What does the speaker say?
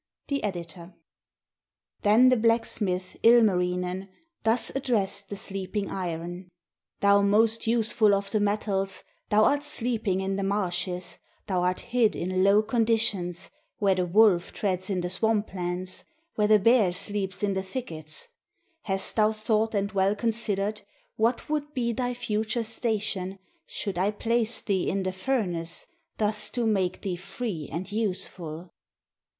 The Editor] Then the blacksmith, Ilmarinen, Thus addressed the sleeping iron: "Thou most useful of the metals, Thou art sleeping in the marshes, Thou art hid in low conditions. Where the wolf treads in the swamp lands, Where the bear sleeps in the thickets. Hast thou thought and well considered, What would be thy future station, Should I place thee in the furnace. Thus to make thee free and useful?"